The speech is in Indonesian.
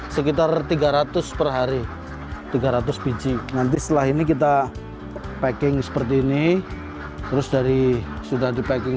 sekitar tiga ratus perhari tiga ratus biji nanti setelah ini kita packing seperti ini terus dari sudah di packing